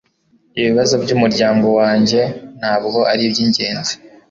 Ibibazo byumuryango wanjye ntabwo aribyingenzi